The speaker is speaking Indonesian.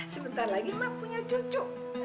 sebentar lagi mak punya cucu